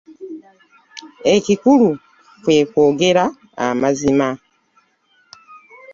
Ekikulu kwe kwogera amazima.